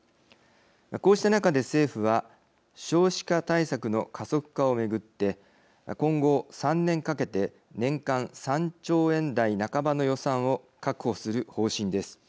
こうした中で、政府は少子化対策の加速化を巡って今後３年かけて年間３兆円台半ばの予算を確保する方針です。